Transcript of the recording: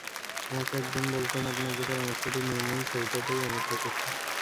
এক-এক দিন বলতেন, আপনার যে পরামর্শটি নিই নি সেইটেতেই আমি ঠকেছি।